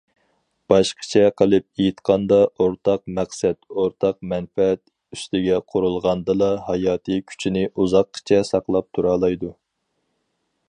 باشقىچە قىلىپ ئېيتقاندا،‹‹ ئورتاق مەقسەت››‹‹ ئورتاق مەنپەئەت›› ئۈستىگە قۇرۇلغاندىلا، ھاياتىي كۈچىنى ئۇزاققىچە ساقلاپ تۇرالايدۇ.